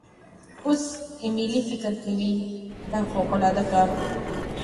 اوس ایمیلی فکر کوي دا فوقالعاده کار دی.